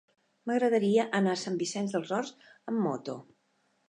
M'agradaria anar a Sant Vicenç dels Horts amb moto.